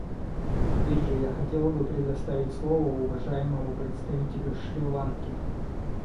Теперь же я хотел бы предоставить слово уважаемому представителю Шри-Ланки.